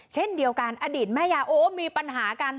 เช่นเดียวกันอดีตแม่ยาโอ้มีปัญหากัน